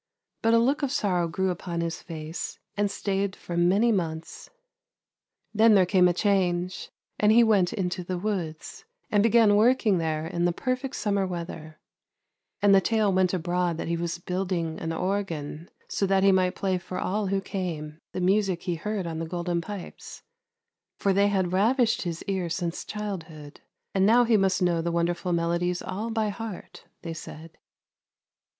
But a look of sorrow grew upon his face, and stayed for many months. Then there came a change, and he went into the woods, and began working there in the perfect summer weather, and the tale went abroad that he was building an organ, so that he might play for all who came, the music he heard on the Golden Pipes — for they had ravished his ear since childhood, and now THE GOLDEN PIPES 317 he must know the wonderful melodies all by heart, they said.